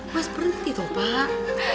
mas berhenti toh pak